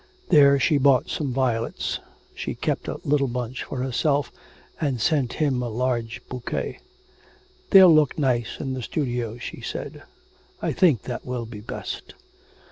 There she bought some violets, she kept a little bunch for herself, and sent him a large bouquet. 'They'll look nice in the studio,' she said, 'I think that will be best.'